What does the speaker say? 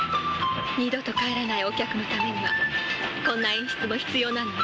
二度と帰らないお客にはこんな演出も必要なのよ。